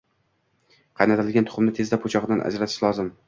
Qaynatilgan tuxumni tezda po'chog'idan ajratish lozim.